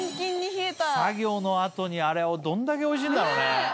作業の後にあれはどんだけおいしいんだろうね。